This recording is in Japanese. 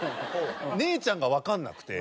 姉ちゃんがわかんなくて。